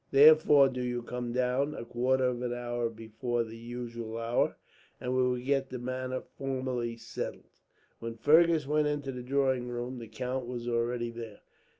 Therefore do you come down, a quarter of an hour before the usual hour, and we will get the matter formally settled." When Fergus went into the drawing room, the count was already there.